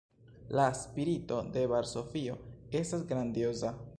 La spirito de Varsovio estas grandioza.